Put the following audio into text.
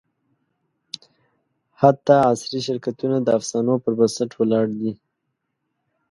حتی عصري شرکتونه د افسانو پر بنسټ ولاړ دي.